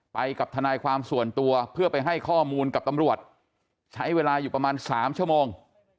ไปกับทนายความส่วนตัวเพื่อไปให้ข้อมูลกับตำรวจใช้เวลาอยู่ประมาณ๓ชั่วโมง